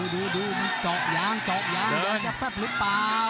ดุดูจอกยางจอกยางจะแฝปหรือเปล่า